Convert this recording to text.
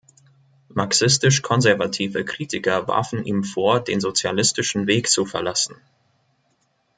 Marxistisch-konservative Kritiker warfen ihm vor, den sozialistischen Weg zu verlassen.